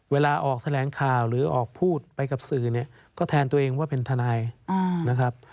เวลาออกแถลงข่าวหรือออกพูดไปกับสื่อเนี่ยก็แทนตัวเองว่าเป็นทนายนะครับ